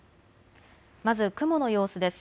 まず雲の様子です。